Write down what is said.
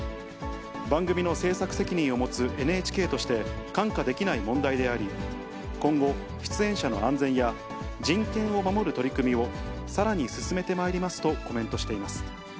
番組の制作責任を持つＮＨＫとして看過できない問題であり、今後、出演者の安全や人権を守る取り組みをさらに進めてまいりますとコメントしています。